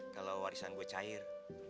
kalau warisan gue cair